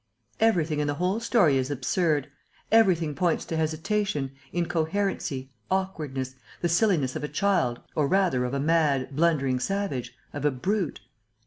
"Everything in the whole story is absurd. Everything points to hesitation, incoherency, awkwardness, the silliness of a child or rather of a mad, blundering savage, of a brute.